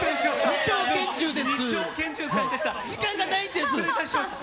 ２丁拳銃さんでした。